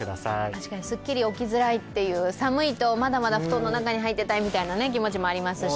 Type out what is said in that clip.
確かにすっきり起きづらいという寒いとまだまだ布団の中に入っていたいという気持ちもありますし。